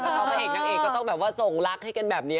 นักเอกก็ต้องส่งรักให้กันแบบนี้